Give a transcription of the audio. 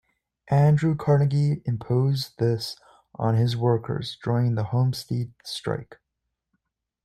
Andrew Carnegie imposed this on his workers during the Homestead Strike.